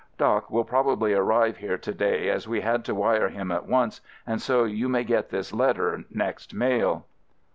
"Doc" will probably arrive here to day, as we had to wire him at once, and so you may get this letter next mail.